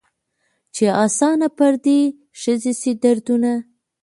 چي آسانه پر دې ښځي سي دردونه